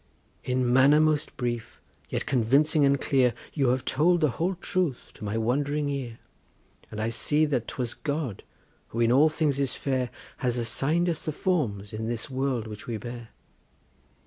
In manner most brief, yet convincing and clear, You have told the whole truth to my wond'ring ear, And I see that 'twas God, who in all things is fair, Has assign'd us the forms, in this world which we bear.